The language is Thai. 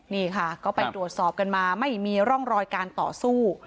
นี่ค่ะก็ไปตรวจสอบกันมาไม่มีร่องรอยการต่อสู้